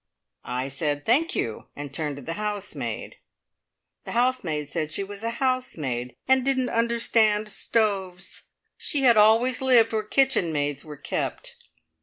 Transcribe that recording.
I said, "Thank you!" and turned to the housemaid. The housemaid said she was a housemaid, and didn't understand stoves. She had always lived where kitchen maids were kept.